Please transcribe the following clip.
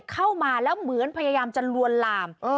เข้ามาแล้วเหมือนพยายามจะลวนลาม